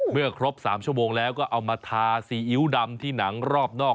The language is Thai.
เมื่อครบ๓ชั่วโมงแล้วก็เอามาทาซีอิ๊วดำที่หนังรอบนอก